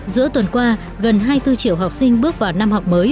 giữa tuần qua gần hai mươi bốn triệu học sinh bước vào năm học mới